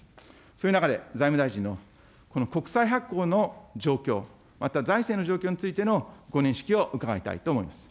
そういう中で財務大臣の国債発行の状況、また財政の状況についてのご認識を伺いたいと思います。